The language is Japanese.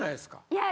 いや。